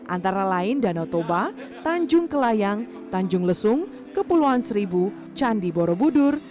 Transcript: antara lain danau toba tanjung kelayang tanjung lesung kepulauan seribu candi borobudur